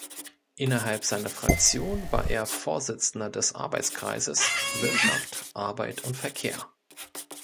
Innerhalb seiner Fraktion war er Vorsitzender des Arbeitskreises „Wirtschaft, Arbeit und Verkehr“.